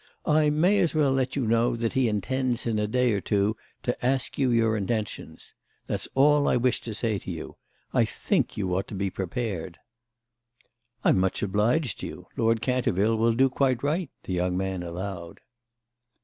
"I may as well let you know that he intends in a day or two to ask you your intentions. That's all I wished to say to you. I think you ought to be prepared." "I'm much obliged to you. Lord Canterville will do quite right," the young man allowed.